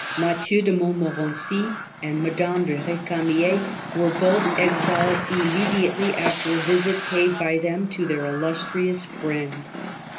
Mathieu de Montmorency and Madame de R6 camier were both exiled immediately after a visit paid by them to their illustrious friend.